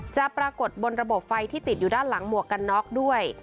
ปรากฏบนระบบไฟที่ติดอยู่ด้านหลังหมวกกันน็อกด้วย